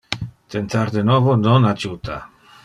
Tentar de novo non adjuta.